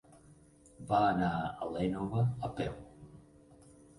Va anar a l'Énova a peu.